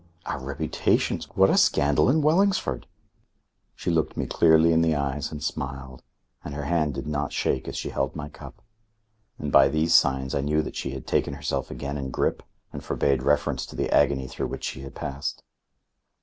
"Our reputations. What a scandal in Wellingsford!" She looked me clearly in the eyes and smiled, and her hand did not shake as she held my cup. And by these signs I knew that she had taken herself again in grip and forbade reference to the agony through which she had passed.